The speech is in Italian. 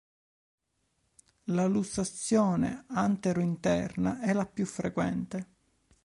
La lussazione antero-interna è la più frequente.